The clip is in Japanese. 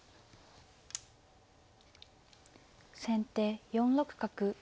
先手４六角。